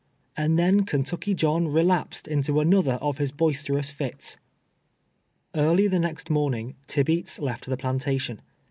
— and then Kentucky John relapsed into an other of his boisterous tits. Early the next morning, Tibeats left the plantation.